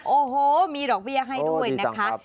โอ้โหมีดอกเบี้ยให้ด้วยนะคะ